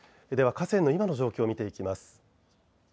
河川の今の状況を見ていきます。